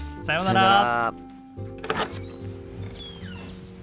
さようなら。